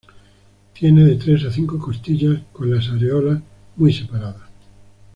Tiene de tres a cinco costillas con las areolas muy separadas.